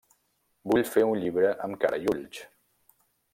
Vull fer un llibre amb cara i ulls.